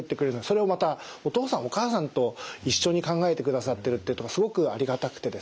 それをまたお父さんお母さんと一緒に考えてくださってるっていうことがすごくありがたくてですね